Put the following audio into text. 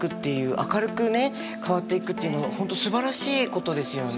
明るくね変わっていくっていうのは本当すばらしいことですよね。